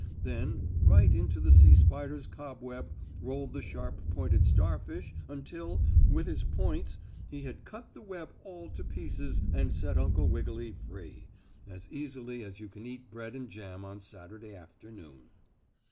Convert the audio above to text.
Then right into the sea spider's cobweb rolled the sharp pointed starfish until, with his points, he had cut the web all to pieces and set Uncle Wiggily free, as easily as you can eat bread and jam on Saturday afternoon.